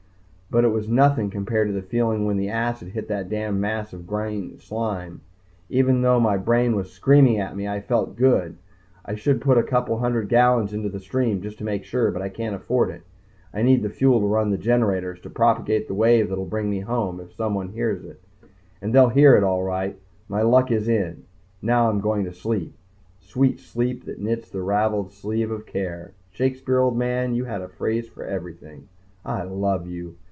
But it was nothing compared to the feeling when the acid hit that damned mass of green slime! Even though my brain was screaming at me, I felt good. I should put a couple of hundred gallons into the stream just to make sure but I can't afford it. I need the fuel to run the generators to propagate the wave that'll bring me home if someone hears it. And they'll hear it all right. My luck is in. Now I'm going to sleep sweet sleep that knits the ravelled sleeve of care Shakespeare, old man, you had a phrase for everything! I love you.